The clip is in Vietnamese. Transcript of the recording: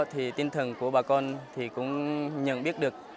thì tinh thần của bà con thì cũng nhận biết được